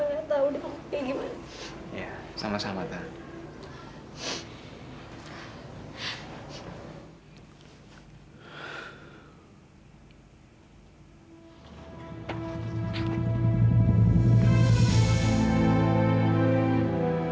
kalau kata kamu aku benar benar nggak tahu dong